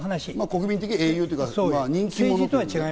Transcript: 国民的英雄というか人気者。